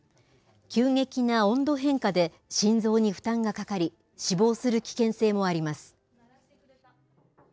急激な温度変化で心臓に負担がかかり、死亡する危険性もあります。